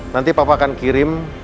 nanti papa akan kirim